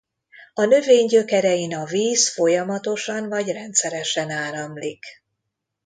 A növény gyökerein a víz folyamatosan vagy rendszeresen áramlik.